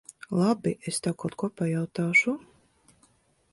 Labi. Es tev kaut ko pajautāšu.